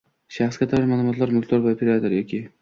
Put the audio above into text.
Shaxsga doir ma’lumotlar mulkdor va yoki operator